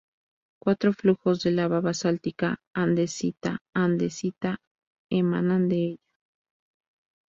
Cuatro flujos de lava basáltica andesita-andesita emanan de ella.